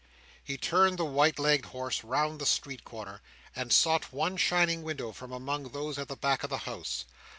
He turned the white legged horse round the street corner, and sought one shining window from among those at the back of the house.